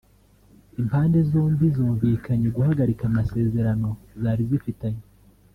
impande zombi zumvikanye guhagarika amasezerano zari zifitanye